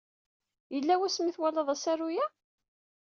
Yella wasmi ay twalaḍ asaru-a?